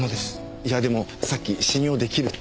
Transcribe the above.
いやでもさっき信用出来るって。